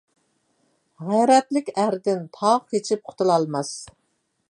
غەيرەتلىك ئەردىن تاغ قېچىپ قۇتۇلالماس.